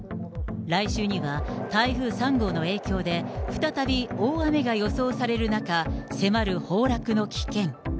来週には、台風３号の影響で再び大雨が予想される中、迫る崩落の危険。